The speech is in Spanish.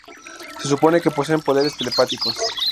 Se supone que poseen poderes telepáticos.